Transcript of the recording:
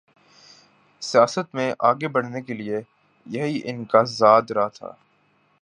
سیاست میں آگے بڑھنے کے لیے یہی ان کا زاد راہ تھا۔